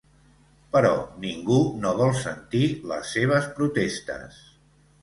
Però ningú no vol sentir les seves protestes.